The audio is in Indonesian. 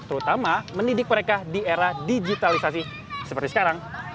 terutama mendidik mereka di era digitalisasi seperti sekarang